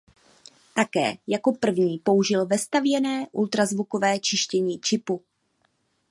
Také jako první použil vestavěné ultrazvukové čištění čipu.